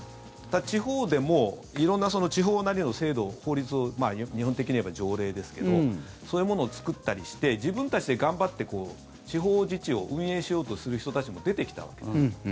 地方でも色んな地方なりの制度、法律を日本的に言えば条例ですけどそういうものを作ったりして自分たちで頑張って、地方自治を運営しようとする人たちも出てきたわけです。